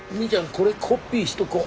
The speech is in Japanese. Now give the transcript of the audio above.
これコピーしとこう。